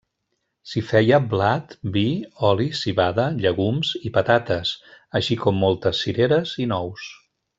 S'hi feia blat, vi, oli, civada, llegums i patates, així com moltes cireres i nous.